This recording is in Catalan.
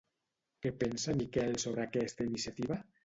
Què pensa Miquel sobre aquesta iniciativa?